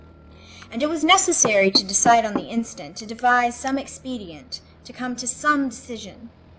And it was necessary to decide on the instant, to devise some expedient, to come to some decision.